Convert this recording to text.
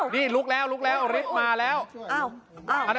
นี่ลุกแล้วลุกแล้วริทมาแล้วอ้าวอ้าว